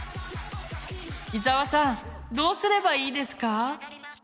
伊沢さんどうすればいいですか。